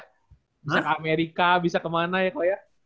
bisa ke amerika bisa kemana ya kalau ya